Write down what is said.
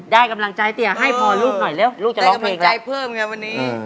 ได้กำลังใจเพิ่มคะวันนี้